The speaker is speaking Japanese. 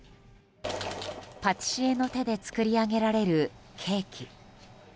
パティシエの手で作り上げられるケーキ。